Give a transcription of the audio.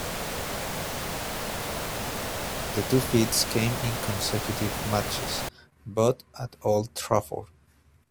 The two feats came in consecutive matches, both at Old Trafford.